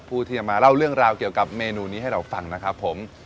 ผู้ที่จะมาเล่าเรื่องราวเกี่ยวกับเมนูนี้ให้เราฟังนะครับผม